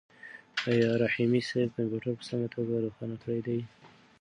آیا رحیمي صیب کمپیوټر په سمه توګه روښانه کړی دی؟